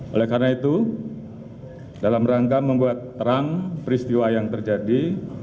oleh karena itu dalam rangka membuat terang peristiwa yang terjadi